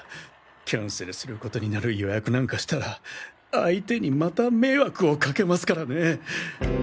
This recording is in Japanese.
キャンセルすることになる予約なんかしたら相手にまた迷惑をかけますからね。